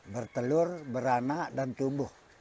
bertelur beranak dan tumbuh